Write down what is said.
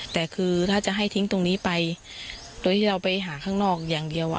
แต่คือถ้าจะให้ทิ้งตรงนี้ไปโดยที่เราไปหาข้างนอกอย่างเดียว